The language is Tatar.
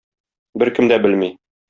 Беркем дә белми.